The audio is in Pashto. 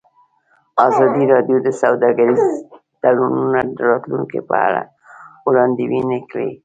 ازادي راډیو د سوداګریز تړونونه د راتلونکې په اړه وړاندوینې کړې.